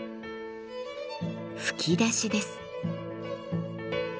吹き出しです。